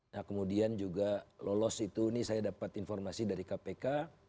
nah kemudian juga lolos itu ini saya dapat informasi dari kpk